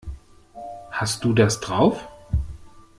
Hast du das drauf?